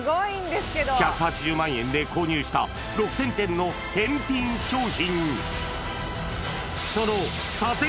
１８０万円で購入した６０００点の返品商品。